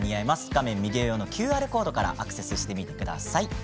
画面右上のＱＲコードからアクセスしてみてください。